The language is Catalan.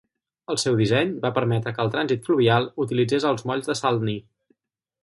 El seu disseny va permetre que el trànsit fluvial utilitzés els molls de Saltney.